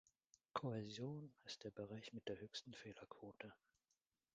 Kohäsion ist der Bereich mit der höchsten Fehlerquote.